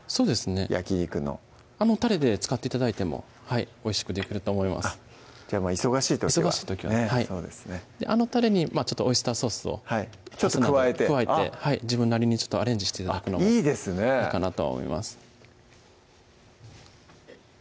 焼き肉のあのたれで使って頂いてもおいしくできると思いますじゃあ忙しい時は忙しい時ははいあのたれにオイスターソースを加えて自分なりにアレンジして頂くのもいいかなとは思います